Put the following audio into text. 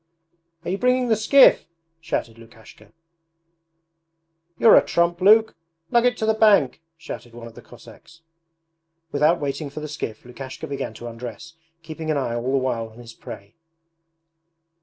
'Are you bringing the skiff?' shouted Lukashka. 'You're a trump, Luke! Lug it to the bank!' shouted one of the Cossacks. Without waiting for the skiff Lukashka began to undress, keeping an eye all the while on his prey.